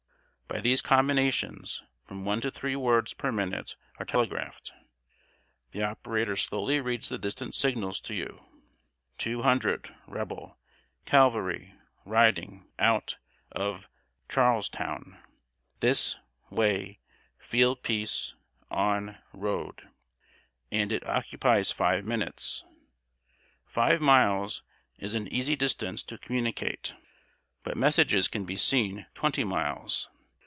By these combinations, from one to three words per minute are telegraphed. The operator slowly reads the distant signal to you: "Two hundred Rebel cavalry riding out of Charlestown this way field piece on road," and it occupies five minutes. Five miles is an easy distance to communicate, but messages can be sent twenty miles.